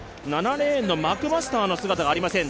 ７レーンのマクマスターの姿がありません。